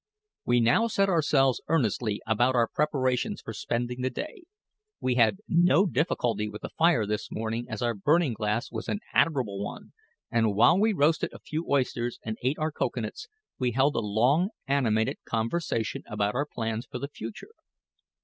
We now set ourselves earnestly about our preparations for spending the day. We had no difficulty with the fire this morning as our burning glass was an admirable one; and while we roasted a few oysters and ate our cocoa nuts, we held a long, animated conversation about our plans for the future.